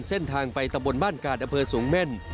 เส้นทางไปตะบนบ้านบรรดน์บ๒๐๑๕